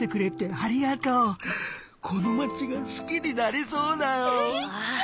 このまちがすきになれそうだよ。